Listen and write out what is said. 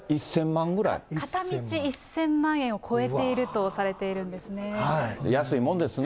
片道１０００万円を超えてい安いもんですね。